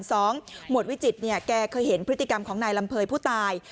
หมวดวิจิตเนี่ยแกเคยเห็นพฤติกรรมของนายลำเภยผู้ตาย